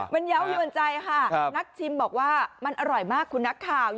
มันเยาว์ยวนใจค่ะนักชิมบอกว่ามันอร่อยมากคุณนักข่าว